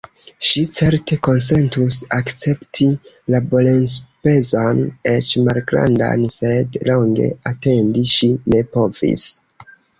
Ŝi certe konsentus akcepti laborenspezon eĉ malgrandan, sed longe atendi ŝi ne povis.